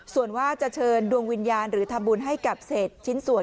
ส่วนว่าจะเชิญดวงวิญญาณหรือทำบุญให้กับเศษชิ้นส่วน